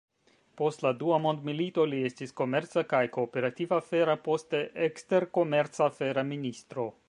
Post la dua mondmilito, li estis komerca kaj kooperativ-afera, poste eksterkomerc-afera ministro.